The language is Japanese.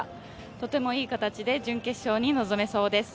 とてもいい形で準決勝に臨めそうです。